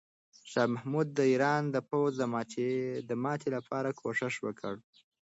شاه محمود د ایران د پوځ د ماتې لپاره کوښښ وکړ.